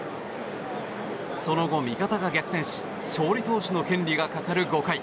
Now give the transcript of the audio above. その後、味方が逆転し勝利投手の権利がかかる５回。